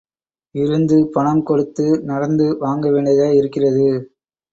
இருந்து பணம் கொடுத்து நடந்து வாங்க வேண்டியதாய் இருக்கிறது.